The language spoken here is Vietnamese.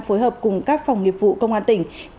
phối hợp cùng các phòng nghiệp vụ công an tỉnh